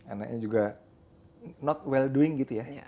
anaknya juga not well doing gitu ya